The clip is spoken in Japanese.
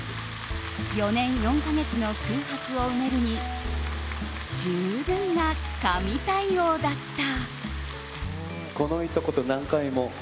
４年４か月の空白を埋めるに十分な神対応だった。